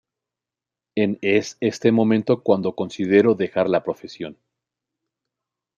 En es este momento cuando consideró dejar la profesión.